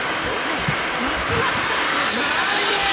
はいますますタイプってなんで⁉